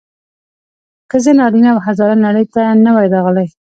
که زه نارینه او هزاره نړۍ ته نه وای راغلی.